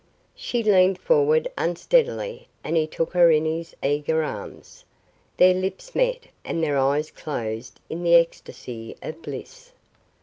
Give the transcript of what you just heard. She leaned forward unsteadily and he took her in his eager arms. Their lips met and their eyes closed in the ecstasy of bliss.